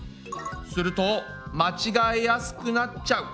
するとまちがえやすくなっちゃう。